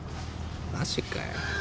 マジかよ。